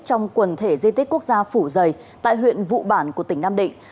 trong quần thể di tích quốc gia phủ dày tại huyện vụ bản của tỉnh nam định